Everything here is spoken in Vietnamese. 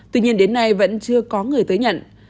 tuy nhiên đến nay vẫn chưa có người tới nhận